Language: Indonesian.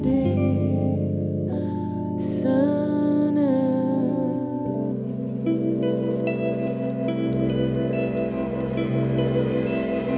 menuju ke tempat